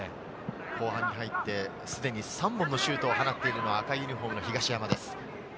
後半に入って、すでに３本のシュートを放っているのは赤いユニホームの東山です。